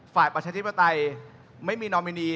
ฝ่ายประชาชนิดประไตยไม่มีนอมินี